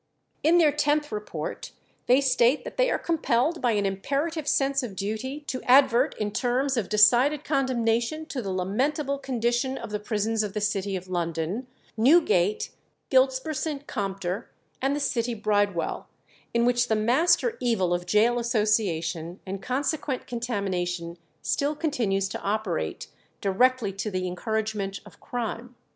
In their tenth report they state that they are compelled by an imperative sense of duty to advert in terms of decided condemnation to the lamentable condition of the prisons of the city of London, Newgate, Giltspur St. Compter, and the City Bridewell, in which the master evil of gaol association and consequent contamination still continues to operate directly to the encouragement of crime.